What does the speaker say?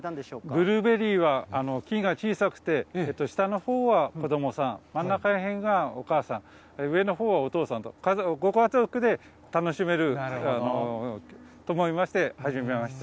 ブルーベリーは木が小さくて、下のほうは子どもさん、真ん中ら辺がお母さん、上のほうはお父さんと、ご家族で楽しめると思いまして、始めました。